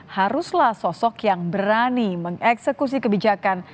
haruslah sosok yang berani mengeksekusi kebijakan